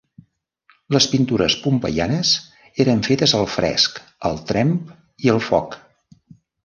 Les pintures pompeianes eren fetes al fresc, al tremp i al foc.